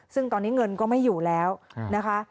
ซึ่งตอนนี้เงินก็ไม่อยู่แล้วนะคะ